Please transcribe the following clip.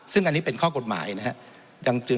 ซึ่งอันนี้เป็นข้อกฎหมายนะครับ